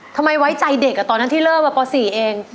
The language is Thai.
ทำไมไว้ใจเด็กอะตอนที่เริ่มแบบป่าวสี่เอง